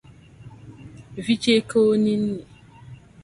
Vi chɛɛ ka o ninni.